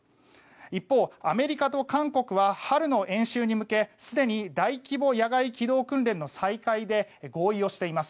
一方、アメリカと韓国は春の演習に向けすでに大規模野外機動訓練の再開で合意をしています。